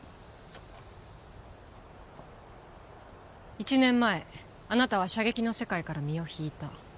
１年前あなたは射撃の世界から身を引いた。